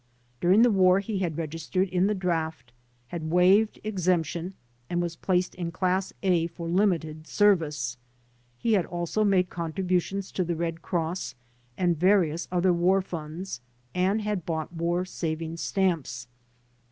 During the war he had registered in the draft, had waived exemption and was placed in Qass A for limited service. He had also made contributions to the Red Cross and various other war funds and had bought War Savings Stamps.